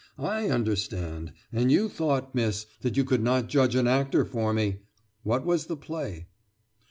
"I understand, and you thought, miss, that you could not judge an actor for me! What was the play?"